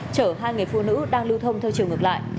chở hai người phụ nữ đang lưu thông theo chiều ngược lại